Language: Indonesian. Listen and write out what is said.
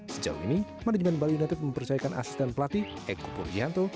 sejauh ini manajemen bali united mempercayakan asisten pelatih eko purgianto